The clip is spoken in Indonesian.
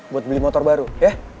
buat beli motor baru ya